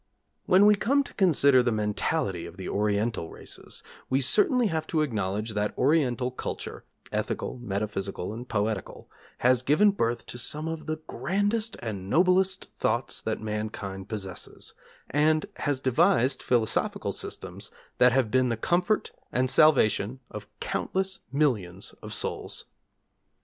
When we come to consider the mentality of the Oriental races we certainly have to acknowledge that Oriental culture ethical, metaphysical, and poetical has given birth to some of the grandest and noblest thoughts that mankind possesses, and has devised philosophical systems that have been the comfort and salvation of countless millions of souls.